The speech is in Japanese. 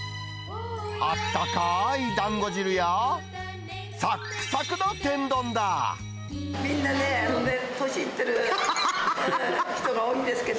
あったかーいだんご汁や、みんなね、年いってる人が多いんですけど。